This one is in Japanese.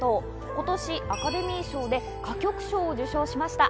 今年アカデミー賞で歌曲賞を受賞しました。